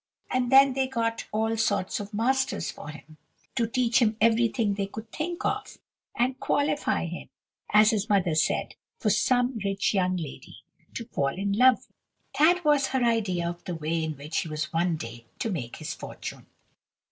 And then they got all sorts of masters for him, to teach him everything they could think of, and qualify him, as his mother said, for some rich young lady to fall in love with. That was her idea of the way in which he was one day to make his fortune.